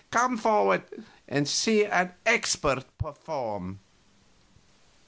Come forward and see an expert perform."